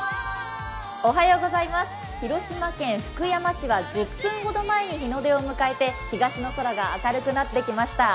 広島県福山市は１０分ほど前に日の出を迎えて東の空が明るくなってきました。